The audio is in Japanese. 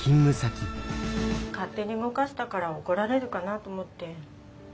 勝手に動かしたから怒られるかなと思って黙ってました。